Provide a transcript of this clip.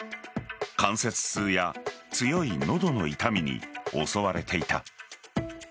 関節痛や強い喉の痛みに襲われていた。